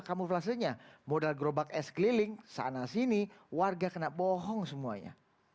kamuflasenya modal gerobak es keliling sana sini warga kena bohong semuanya